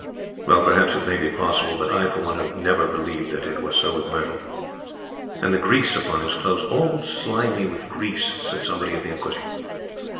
Well, perhaps it may be possible, but I, for one, have never believed that it was so with Myrtle. And the grease upon his clothes 'all slimy with grease,' said somebody at the inquest.